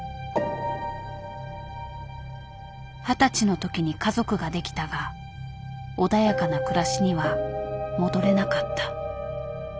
二十歳の時に家族ができたが穏やかな暮らしには戻れなかった。